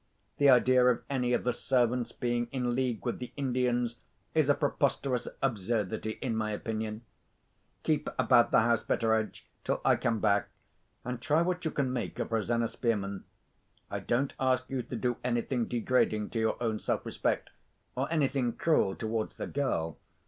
The idea of any of the servants being in league with the Indians is a preposterous absurdity, in my opinion. Keep about the house, Betteredge, till I come back, and try what you can make of Rosanna Spearman. I don't ask you to do anything degrading to your own self respect, or anything cruel towards the girl.